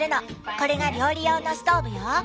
これが料理用のストーブよ。